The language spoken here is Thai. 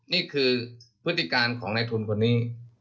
นี่คือพฤติการของในทุนคนนี้